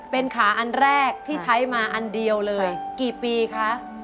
เป็นขาอันแรกที่ใช้มาอันเดียวเลยกี่ปีคะ